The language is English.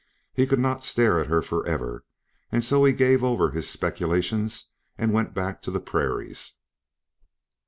He could not stare at her forever, and so he gave over his speculations and went back to the prairies.